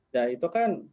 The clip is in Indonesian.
ya itu kan